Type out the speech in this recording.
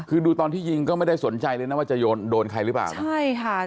คือดูตอนที่ยิงก็ไม่ได้สนใจเลยนะว่าจะโยนโดนใครหรือเปล่านะใช่ค่ะ